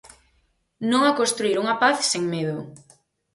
Non a construír unha paz sen medo.